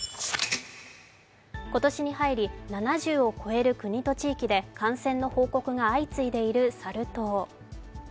今年に入り７０を超える国と地域で感染の報告が相次いでいるサル痘。